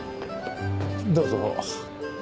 どうぞ。